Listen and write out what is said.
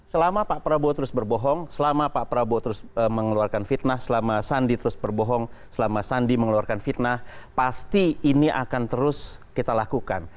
selama pak prabowo terus berbohong selama pak prabowo terus mengeluarkan fitnah selama sandi terus berbohong selama sandi mengeluarkan fitnah pasti ini akan terus kita lakukan